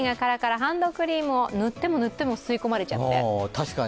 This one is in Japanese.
ハンドクリームを塗っても塗っても吸い込まれちゃって。